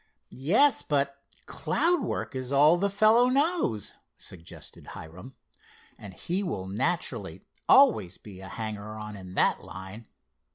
"Yes, but cloud work is all the fellow knows," suggested Hiram, "and he will naturally always be a hanger on in that line.